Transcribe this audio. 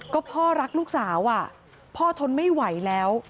ก็พ่อรักลูกสาวพ่อทนไม่ไหวแล้ว